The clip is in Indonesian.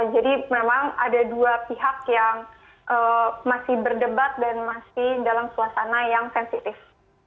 jadi memang ada dua pihak yang masih berdebat dan masih dalam suasana yang sensitif